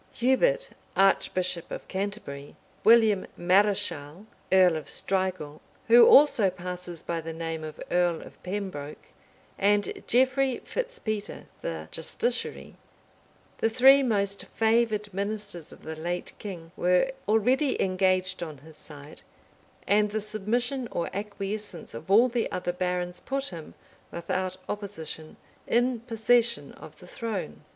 Hubert, archbishop of Canterbury, William Mareschal, earl of Strigul, who also passes by the name of earl of Pembroke, and Geoffrey Fitz Peter, the justiciary, the three most favored ministers of the late king, were already engaged on his side; and the submission or acquiescence of all the other barons put him, without opposition, in possession of the throne.